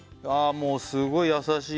もうすごい優しい